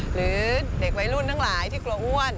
หรือเด็กวัยรุ่นทั้งหลายที่กลัวอ้วน